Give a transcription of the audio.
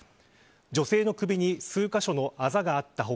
女性の首に数カ所のあざがあった他